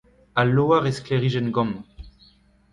Al loar he sklerijenn gamm.